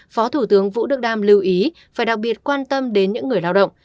phó thủ tướng vũ đức đam lưu ý phải đặc biệt quan tâm đến những người lao động